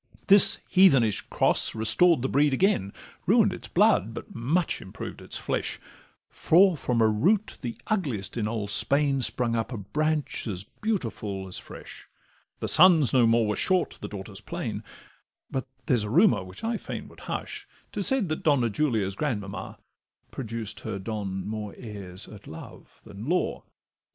This heathenish cross restored the breed again, Ruin'd its blood, but much improved its flesh; For from a root the ugliest in Old Spain Sprung up a branch as beautiful as fresh; The sons no more were short, the daughters plain: But there's a rumour which I fain would hush, 'Tis said that Donna Julia's grandmamma Produced her Don more heirs at love than law.